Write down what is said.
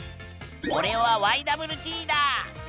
おれはＹＷＴだ！